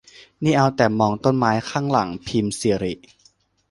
นี่เอาแต่มองต้นไม้ข้างหลังของพิมสิริ